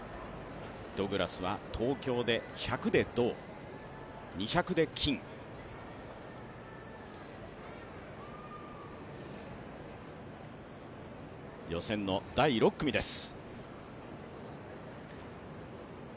ドグラスは東京で１００で銅、２００で金予選の第６組です。